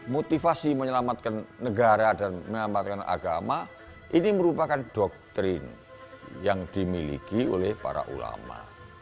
motivasi menyelamatkan negara dan menyelamatkan agama ini merupakan doktrin yang dimiliki oleh para ulama